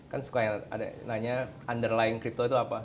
kan suka nanya underlying crypto itu apa